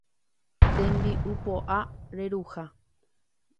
tembi'u po'a reruha